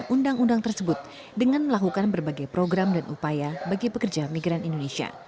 untuk menjamin program dan upaya bagi pekerja migran indonesia